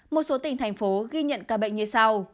một số tỉnh thành phố ghi nhận ca bệnh như sau